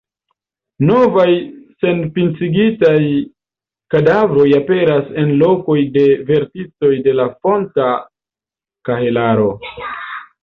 Novaj senpintigitaj kvaredroj aperas en lokoj de verticoj de la fonta kahelaro.